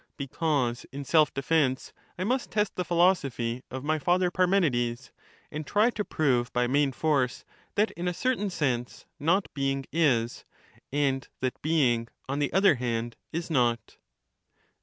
Because, in self defence, I must test the philosophy of my father Parmenides, and try to prove by main force that in a certain sense not being is, and that being, on the other hand, is not.